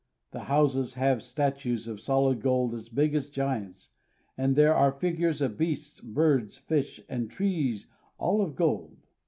The houses have statues of solid gold as big as giants, and there are figures of beasts, birds, fish, and trees, all of gold.